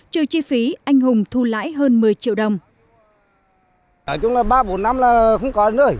trừ chi phí anh hùng thu lãi hơn một mươi triệu đồng